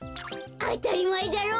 あたりまえだろ。